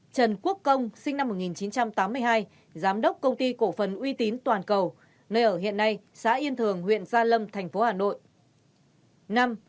một trần quốc công sinh năm một nghìn chín trăm tám mươi hai giám đốc công ty cổ phần uy tín toàn cầu nơi ở hiện nay xã yên thường huyện gia lâm thành phố hà nội